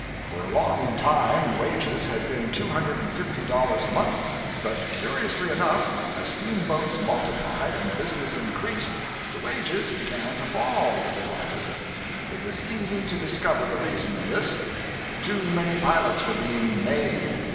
For a long time wages had been two hundred and fifty dollars a month; but curiously enough, as steamboats multiplied and business increased, the wages began to fall little by little. It was easy to discover the reason of this. Too many pilots were being 'made.'